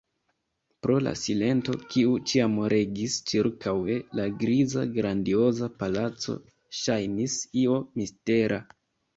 Pro la silento, kiu ĉiam regis ĉirkaŭe, la griza, grandioza palaco ŝajnis io mistera.